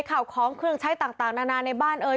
ข่าวของเครื่องใช้ต่างนานาในบ้านเอ่ย